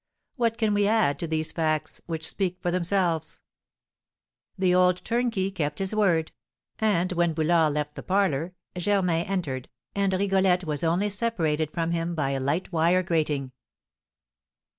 What can we add to these facts, which speak for themselves? The old turnkey kept his word; and when Boulard left the parlour, Germain entered, and Rigolette was only separated from him by a light wire grating.